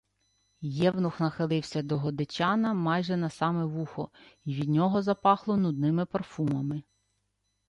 Євнух нахилився до Годечана майже на саме вухо, й від нього запахло нудними парфумами: